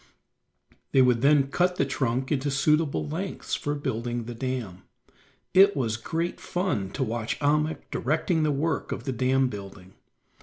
They would then cut the trunk into suitable lengths for building the dam. It was great fun to watch Ahmuk directing the work of the dam building.